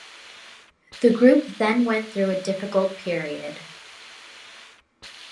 The group then went through a difficult period.